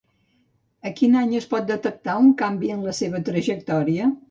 A quin any es pot detectar un canvi en la seva trajectòria?